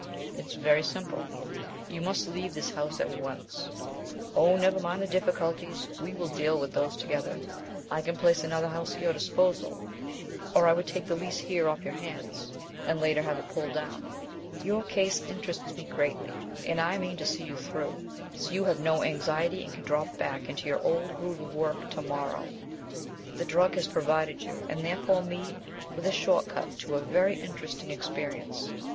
It is very simple: you must leave this house at once. Oh, never mind the difficulties; we will deal with those together. I can place another house at your disposal, or I would take the lease here off your hands, and later have it pulled down. Your case interests me greatly, and I mean to see you through, so you have no anxiety, and can drop back into your old groove of work tomorrow! The drug has provided you, and therefore me, with a short cut to a very interesting experience.